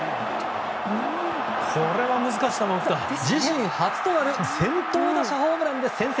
自身初となる先頭打者ホームランで先制。